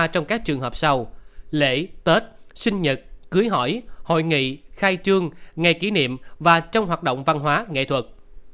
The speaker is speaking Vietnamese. trong các trường hợp sau lễ tết sinh nhật cưới hỏi hội nghị khai trương ngày kỷ niệm và trong hoạt động văn hóa nghệ thuật